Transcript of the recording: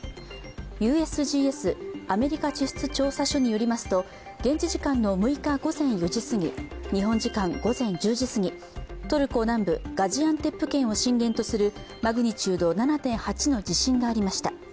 ＵＳＧＳ＝アメリカ地質調査所によりますと、現地時間の６日午前４時すぎ日本時間午前１０時すぎトルコ南部・ガジアンテップ県を震源とするマグニチュード７．８の地震がありました。